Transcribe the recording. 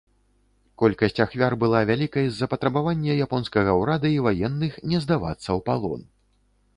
Колькасць ахвяр была вялікай з-за патрабавання японскага ўрада і ваенных не здавацца ў палон.